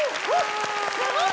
すごい！